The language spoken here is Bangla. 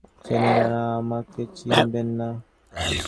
আমার বাবাকে এত ভালো করে চেনেন, আর আমাকে চিনবেন না?